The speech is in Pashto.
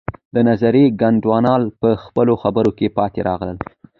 د مناظرې ګډونوال په خپلو خبرو کې پاتې راغلل.